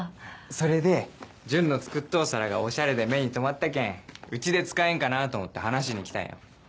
それで純の作っとう皿がおしゃれで目に留まったけんうちで使えんかなと思って話しにきたんよ。